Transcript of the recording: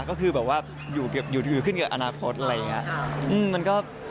ก็คือแบบว่าอยู่ดีขึ้นกับอนาคตอะไรอย่างนี้